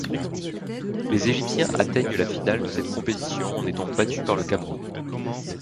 Les égyptiens atteignent la finale de cette compétition, en étant battus par le Cameroun.